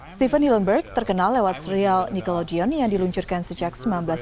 steven hillenburg terkenal lewat serial nickelodeon yang diluncurkan sejak seribu sembilan ratus sembilan puluh sembilan